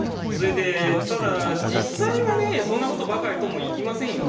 ただ実際はねそんなことばかりともいきませんよね。